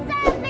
ujah gak sabit